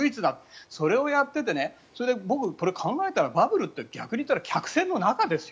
それをやってて僕、これ考えたらバブルって逆に言ったら客船の中ですよ。